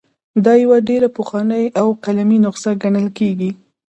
دا یوه ډېره پخوانۍ او قلمي نسخه ګڼل کیږي.